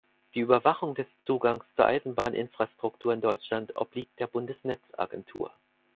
Die Überwachung des Zugangs zur Eisenbahninfrastruktur in Deutschland obliegt der Bundesnetzagentur.